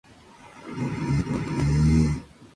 Durante la Segunda Guerra Mundial, se unió a la Resistencia.